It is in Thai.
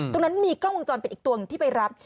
ตรงนั้นมีกล้องวงจรปิดอีกตัวหนึ่งที่ไปรับ